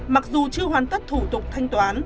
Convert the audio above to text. mặc dù chưa hoàn tất thủ tục thanh toán